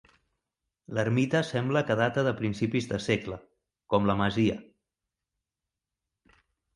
L'ermita sembla que data de principis de segle, com la masia.